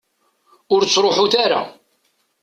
Ur ttruḥut ara.